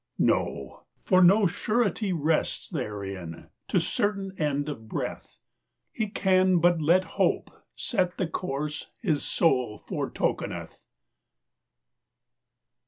No; for no surety rests therein To certain end of breath. He can but let hope set the course His soul foretokeneth.